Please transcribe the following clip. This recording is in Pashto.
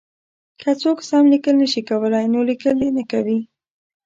که څوک سم لیکل نه شي کولای نو لیکل دې نه کوي.